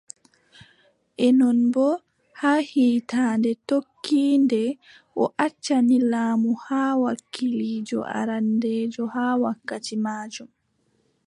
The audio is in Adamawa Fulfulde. E non boo, haa hiitannde tokkiinde, o accani laamu haa, wakiliijo arandeejo haa wakkati maajum.